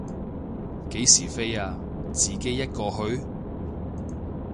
幾時飛啊，自己一個去？